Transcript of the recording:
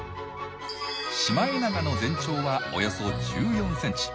シマエナガの全長はおよそ１４ｃｍ。